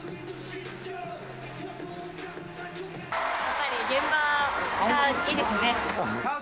やっぱり現場はいいですね。